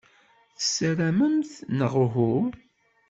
Tessaramemt, neɣ uhu?